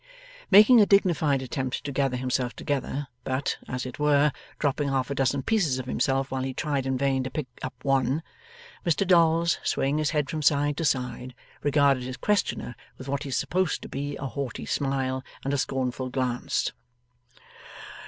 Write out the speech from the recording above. Making a dignified attempt to gather himself together, but, as it were, dropping half a dozen pieces of himself while he tried in vain to pick up one, Mr Dolls, swaying his head from side to side, regarded his questioner with what he supposed to be a haughty smile and a scornful glance.